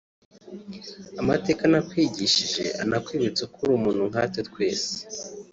Amateka nakwigishe anakwibutse ko uri umuntu nkatwe twese